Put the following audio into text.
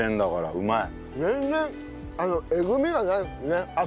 うまい！